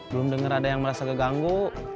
belum denger ada yang merasa keganggu